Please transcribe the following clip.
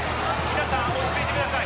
皆さん落ち着いてください